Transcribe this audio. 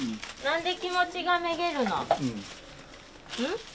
なんで気持ちがめげるの？